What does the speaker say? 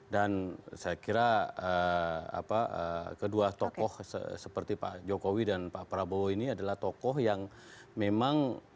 dan saya kira kedua tokoh seperti pak jokowi dan pak prabowo ini adalah tokoh yang memang